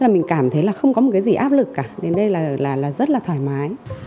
mình cảm thấy không có một cái gì áp lực cả nên đây là rất là thoải mái